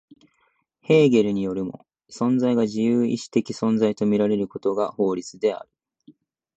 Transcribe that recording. ヘーゲルによるも、存在が自由意志的存在と見られることが法律である。